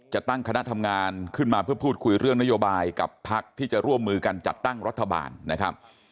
จะตั้งคณะทำงานขึ้นมาเพื่อพูดคุยเรื่องนโยบายกับพักที่จะร่วมมือกันจัดตั้งรัฐบาลนะครับ